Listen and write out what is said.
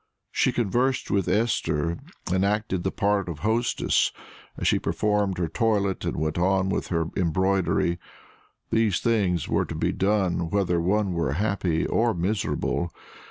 She conversed with Esther, and acted the part of hostess, as she performed her toilet and went on with her embroidery: these things were to be done whether one were happy or miserable.